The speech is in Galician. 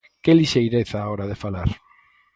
¡Que lixeireza á hora de falar!